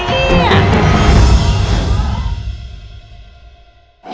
มีใจได้ขอกับเบอร์